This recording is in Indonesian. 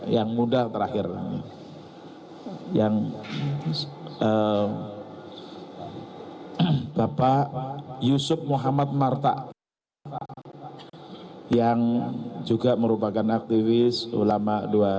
yang bapak yusuf muhammad marta yang juga merupakan aktivis ulama dua ratus dua belas